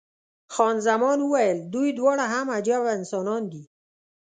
خان زمان وویل، دوی دواړه هم عجبه انسانان دي.